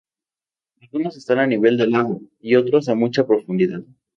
Algunos están a nivel del agua y otros a mucha profundidad.